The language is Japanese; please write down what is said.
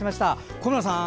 小村さん。